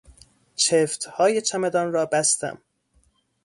چفتهای چمدان را بستم.